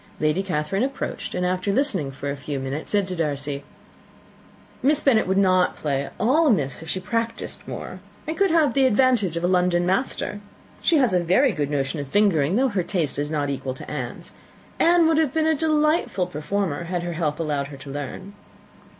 Lady Catherine approached, and, after listening for a few minutes, said to Darcy, "Miss Bennet would not play at all amiss if she practised more, and could have the advantage of a London master. She has a very good notion of fingering, though her taste is not equal to Anne's. Anne would have been a delightful performer, had her health allowed her to learn."